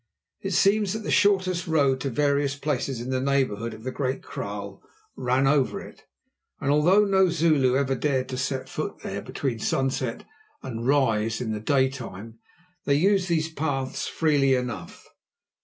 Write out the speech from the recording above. It seems that the shortest road to various places in the neighbourhood of the Great Kraal ran over it, and although no Zulu ever dared to set foot there between sun set and rise, in the daytime they used these paths freely enough.